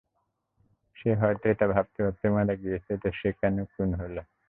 সে হয়তো এটা ভাবতে ভাবতে মারা গিয়েছে যে সে কেন খুন হলো।